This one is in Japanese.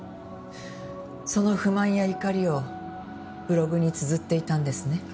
その不満や怒りをブログにつづっていたんですね？